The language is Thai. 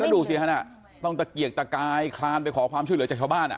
ดูสิฮะต้องตะเกียกตะกายคลานไปขอความช่วยเหลือจากชาวบ้าน